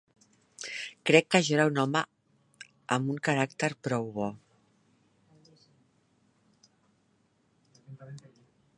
Crec que jo era un home amb un caràcter prou bo.